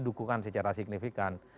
dukungan secara signifikan